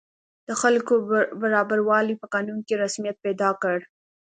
د خلکو برابروالی په قانون کې رسمیت پیدا کړ.